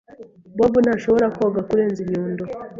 Bob ntashobora koga kurenza inyundo.